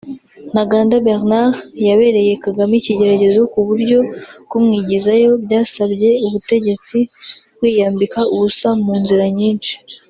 Ntaganda Bernard yabereye Kagame ikigeragezo ku buryo kumwigizayo byasabye ubutegetsi kwiyambika ubusa mu nzira nyinshi